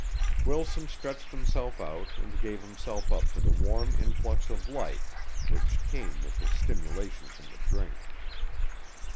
Wilson stretched himself out and gave himself up to the warm influx of life which came with the stimulation from the drink.